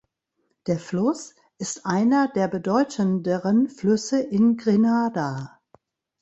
Der Fluss ist einer der bedeutenderen Flüsse in Grenada.